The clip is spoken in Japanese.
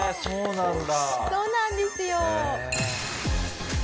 そうなんですよ。